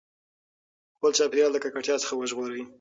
خپل چاپېریال د ککړتیا څخه وژغورئ.